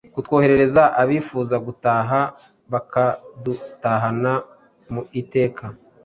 kutworohereza abifuza gutaha, bakadutahana mu iteka.